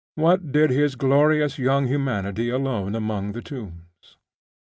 What did his glorious young humanity alone among the tombs?